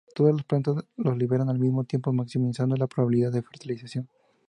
Todas las plantas los liberan al mismo tiempo, maximizando la probabilidad de fertilización.